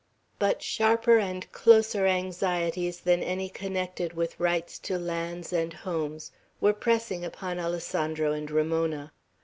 But sharper and closer anxieties than any connected with rights to lands and homes were pressing upon Alessandro and Ramona.